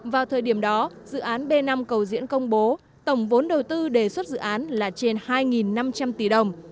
vào thời điểm đó dự án b năm cầu diễn công bố tổng vốn đầu tư đề xuất dự án là trên hai năm trăm linh tỷ đồng